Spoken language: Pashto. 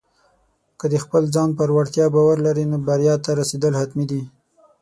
که د خپل ځان پر وړتیا باور لرې، نو بریا ته رسېدل حتمي دي.